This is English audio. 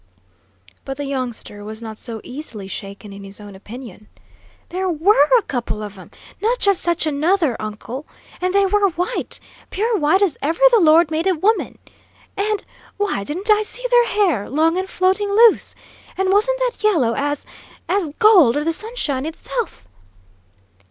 But the youngster was not so easily shaken in his own opinion. "There were a couple of 'em, not just such another, uncle. And they were white, pure white as ever the Lord made a woman! And why, didn't I see their hair, long and floating loose? And wasn't that yellow as as gold, or the sunshine itself?"